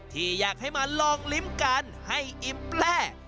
ที่อยากให้มาลองลิ้มกันให้อิ่มแร่